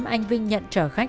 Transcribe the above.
anh vinh nhận trở khách